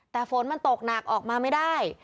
แต่ฝนมันตกหนักออกมาไม่ได้